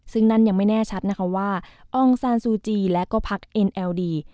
ซึ่งนั่นยังไม่แน่ชัดนะคะว่าอองซานซูจีและก็พักเอ็นเอลดี